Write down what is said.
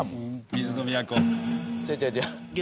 水の都。